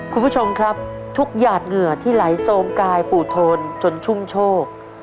คุณผู้ชมครับทุกหยาดเหงื่อที่ไหลโซมกายปู่โทนจนชุ่มโชค